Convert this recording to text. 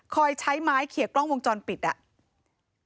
ใช้ไม้เขียกล้องวงจรปิดอ่ะ